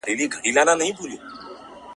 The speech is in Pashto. کتاب د ادبي ماخذ په توګه کارېدلی شي.